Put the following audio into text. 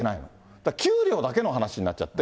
だから給料だけの話になっちゃって。